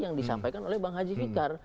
yang disampaikan oleh bang haji fikar